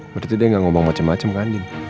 berarti dia gak ngomong macem macem ke andin